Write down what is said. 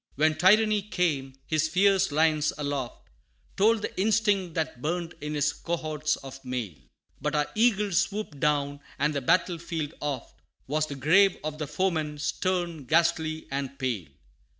II. When Tyranny came, his fierce lions aloft Told the instinct that burned in his cohorts of mail But our eagles swooped down, and the battle field oft, Was the grave of the foeman, stern, ghastly and pale.